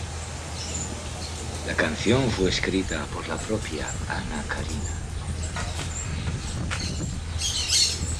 La canción fue escrita por la propia Anna Carina.